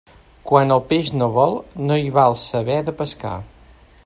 Quan el peix no vol, no hi val saber de pescar.